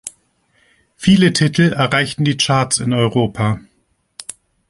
Viele Titel erreichten die Charts in Europa.